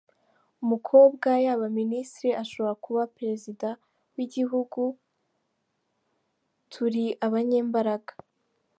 Umukobwa yaba Minisitiri, ashobora kuba Perezida w’Igihugu, turi abanyembaraga.